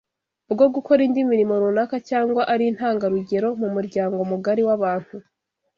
bwo gukora indi mirimo runaka cyangwa ari intangarugero mu muryango mugari w’abantu